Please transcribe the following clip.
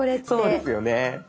そうですよね。